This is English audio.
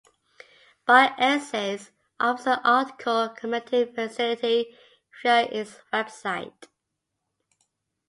"BioEssays" offers an article-commenting facility via its website.